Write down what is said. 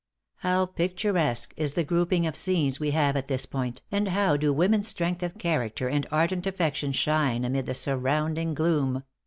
How picturesque is the grouping of scenes we have at this point, and how do woman's strength of character and ardent affection shine amid the surrounding gloom!